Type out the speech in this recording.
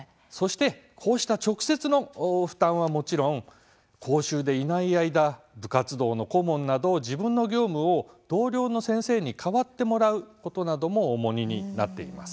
こうした直接の負担はもちろん、講習でいない間部活動の顧問など、自分の業務を同僚の先生に代わってもらうことなども重荷になっています。